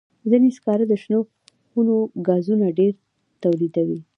ځینې سکاره د شنو خونو ګازونه ډېر تولیدوي.